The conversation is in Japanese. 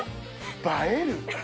映える！